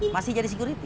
masih jadi security